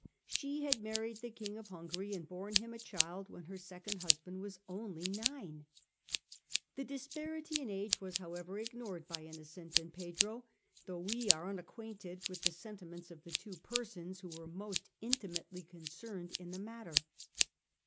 She had married the King of Hungary and borne him a child when her second husband was only nine. The disparity in age was, however, ignored by Innocent and Pedro, though we are unacquainted with the sentiments of the two persons who were most intimately concerned in the matter.